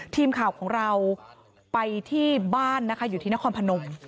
ทีมข่าวของเราไปที่บ้านนะคะอยู่ที่นครพนม